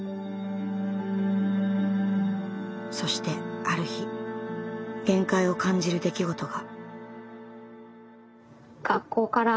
そしてある日限界を感じる出来事が。